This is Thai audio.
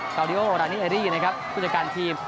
กาวดิโอออรานิไอรี่ทุจักรการทีม